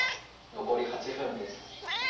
残り８分です。